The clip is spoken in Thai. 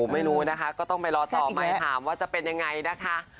ไม่รู้นะคะก็ต้องไปรอต่อไปถามว่าจะเป็นยังไงนะคะ